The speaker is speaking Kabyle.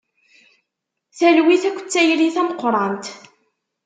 Talwit akked tayri tameqrant.